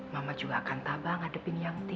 mama juga akan tabang hadepin yanti